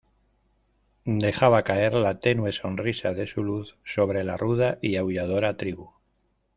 dejaba caer la tenue sonrisa de su luz sobre la ruda y aulladora tribu.